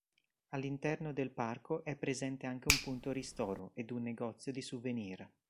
All'interno del Parco è presente anche un punto ristoro ed un negozio di souvenir.